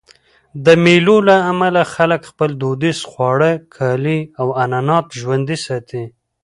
د مېلو له امله خلک خپل دودیز خواړه، کالي او عنعنات ژوندي ساتي.